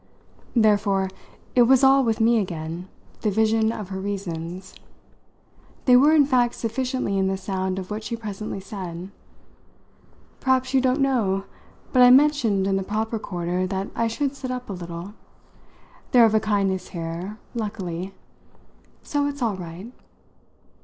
Therefore it was all with me again, the vision of her reasons. They were in fact sufficiently in the sound of what she presently said. "Perhaps you don't know but I mentioned in the proper quarter that I should sit up a little. They're of a kindness here, luckily ! So it's all right."